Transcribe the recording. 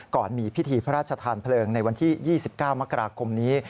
ก่อนมีพิธีพระราชทานเพลิงในวันที่๒๙มกราคมนี้